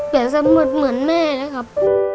เปลี่ยนเสมอเหมือนแม่นะครับ